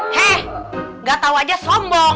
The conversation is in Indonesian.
hei gak tau aja sombong